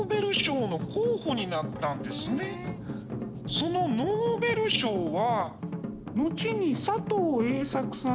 そのノーベル賞は。